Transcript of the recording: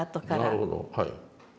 なるほどはい。